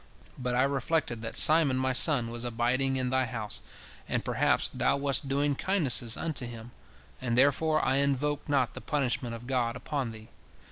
But I reflected that Simon my son was abiding in thy house, and perhaps thou wast doing kindnesses unto him, and therefore I invoked not the punishment of God upon thee.